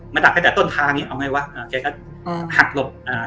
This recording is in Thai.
ดักตั้งแต่ต้นทางอย่างงีเอาไงวะอ่าแกก็อืมหักหลบอ่า